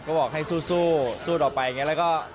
ก็บอกให้สู้สู้ต่อไปอย่างนี้แล้วก็